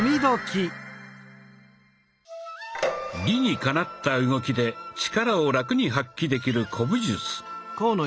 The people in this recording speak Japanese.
理にかなった動きで力をラクに発揮できる古武術。